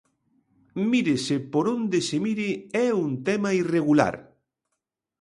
"Mírese por onde se mire é un tema irregular".